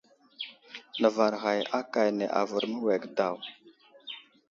Nəvar ghay akane avər məwege daw.